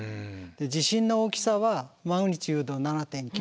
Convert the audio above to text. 地震の大きさはマグニチュード７．９。